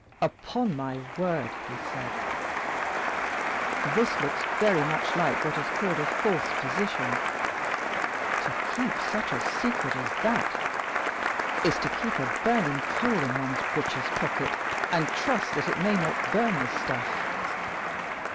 "Upon my word," he said, "this looks very much like what is called a false position. To keep such a secret as that, is to keep a burning coal in one's breeches pocket, and trust that it may not burn the stuff.